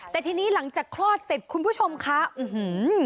แต่ทีนี้หลังจากคลอดเสร็จคุณผู้ชมคะอื้อหือ